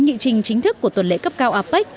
nghị trình chính thức của tuần lễ cấp cao apec